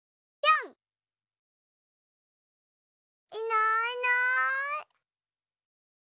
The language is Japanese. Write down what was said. いないいない。